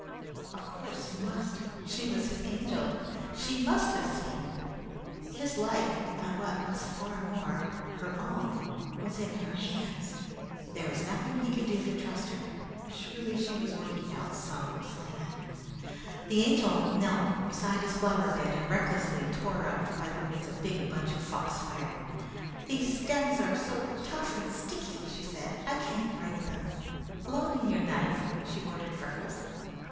Of course you must! She was his Angel. She must have seen! His life, and what was far more, her own, was in her hands. There was nothing he could do but trust her. Surely she was working out some plan. The Angel knelt beside his flower bed and recklessly tore up by the roots a big bunch of foxfire. "These stems are so tough and sticky," she said. "I can't break them. Loan me your knife," she ordered Freckles.